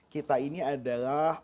kita ini adalah